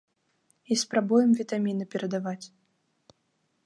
І спрабуем вітаміны перадаваць.